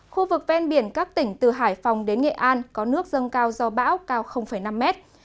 khu vực ven biển các tỉnh từ hải phòng đến nghệ an có nước dâng cao do bão cao năm mét